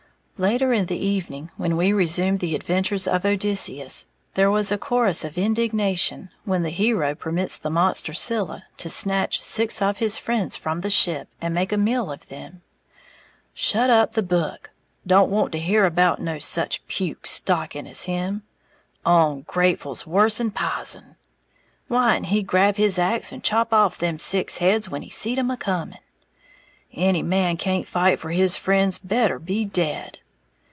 Later in the evening, when we resumed the adventures of Odysseus, there was a chorus of indignation when the hero permits the monster Scylla to snatch six of his friends from the ship and make a meal of them. "Shut up the book!" "Don't want to hear about no such puke stocking as him," "Ongrateful's worse'n pizen!" "Why'n't he grab his ax and chop off them six heads when he seed 'em a coming?" "Any man can't fight for his friends better be dead!"